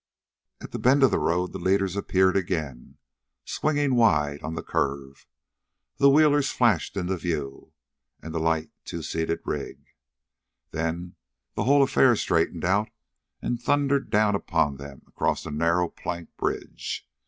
At the bend of the road the leaders appeared again, swinging wide on the curve, the wheelers flashed into view, and the light two seated rig; then the whole affair straightened out and thundered down upon them across a narrow plank bridge.